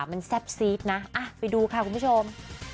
มันแซ่บซีดนะไปดูค่ะคุณผู้ชม